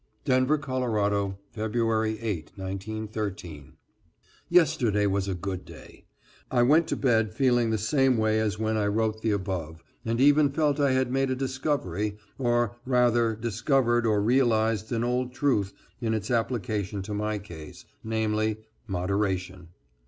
=Denver, Colo., February 8, 1913.= Yesterday was a good day. I went to bed feeling the same way as when I wrote the above, and even felt I had made a discovery, or rather discovered or realized an old truth in its application to my case, namely, moderation.